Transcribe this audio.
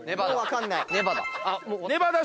ネバダ。